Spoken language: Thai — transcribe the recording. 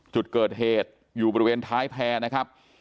จุดเกิดเหตุอยู่บริเวณท้ายแพร่นะครับ